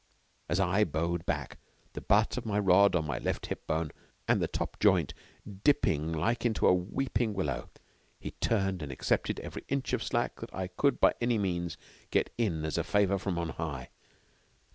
As I bowed back, the butt of the rod on my left hip bone and the top joint dipping like unto a weeping willow, he turned and accepted each inch of slack that I could by any means get in as a favor from on high.